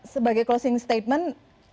sebagai closing statement